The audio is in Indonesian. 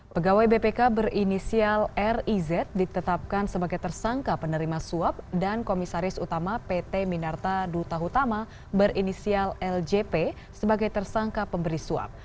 pegawai bpk berinisial riz ditetapkan sebagai tersangka penerima suap dan komisaris utama pt minarta duta utama berinisial ljp sebagai tersangka pemberi suap